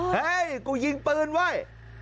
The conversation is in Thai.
ฮ่ายยกูยิงปืนไว้